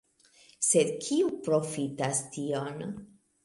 Sed kiu profitas tion?